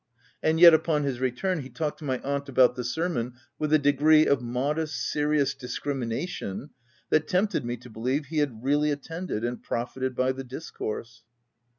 And yet, upon his return, he talked to my aunt about the sermon with a degree of modest, serious discrimination that tempted me to believe he had really attended and profited by the discourse.